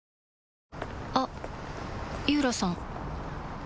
あっ井浦さん